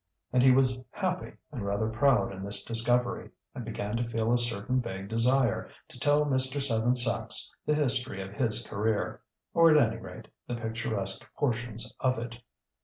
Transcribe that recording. And he was happy and rather proud in this discovery, and began to feel a certain vague desire to tell Mr. Seven Sachs the history of his career or at any rate the picturesque portions of it.